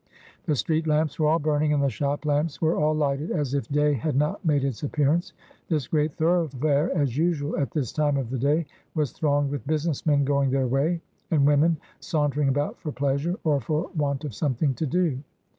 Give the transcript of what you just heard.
The street lamps were all burning and the shop lamps were all lighted, as if day had not made its appearance. This great thoroughfare, as usual at this time of the day, was thronged with business men going their way, and women sauntering about for pleasure, or for want of something to do.